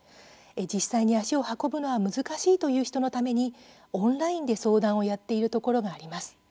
実際に足を運ぶのは難しいという人のためにオンラインで相談をやっているところがあります。